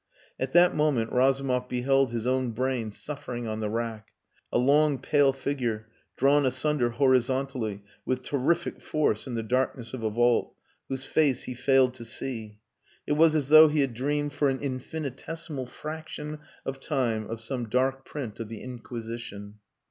At that moment Razumov beheld his own brain suffering on the rack a long, pale figure drawn asunder horizontally with terrific force in the darkness of a vault, whose face he failed to see. It was as though he had dreamed for an infinitesimal fraction of time of some dark print of the Inquisition.